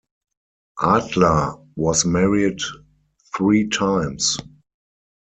Adler was married three times.